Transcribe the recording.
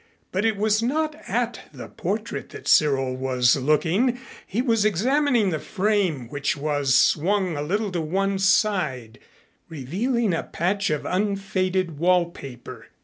But it was not at the portrait that Cyril was looking. He was examining the frame, which was swung a little to one side, revealing a patch of unfaded wallpaper.